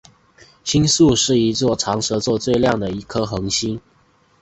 星宿一是长蛇座最亮的一颗恒星。